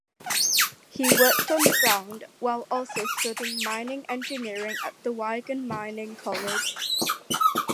He worked underground while also studying mining engineering at the Wigan Mining College.